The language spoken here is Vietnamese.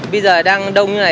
bây giờ đang đông như thế này